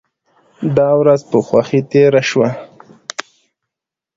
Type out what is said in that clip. دا ورځ په خوښۍ تیره شوه.